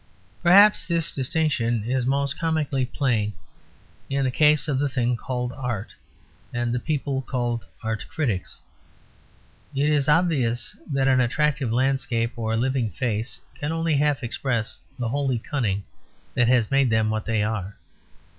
Perhaps this distinction is most comically plain in the case of the thing called Art, and the people called Art Critics. It is obvious that an attractive landscape or a living face can only half express the holy cunning that has made them what they are.